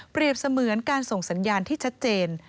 เสมือนการส่งสัญญาณที่ชัดเจน